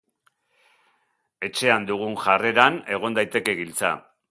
Etxean dugun jarreran egon daiteke giltza.